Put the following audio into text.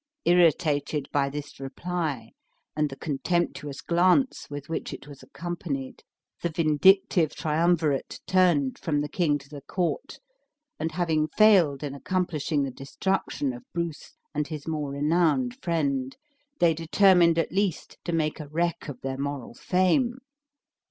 Irritated by this reply, and the contemptuous glance with which it was accompanied, the vindictive triumvirate turned from the king to the court; and having failed in accomplishing the destruction of Bruce and his more renowned friend, they determined at least to make a wreck of their moral fame.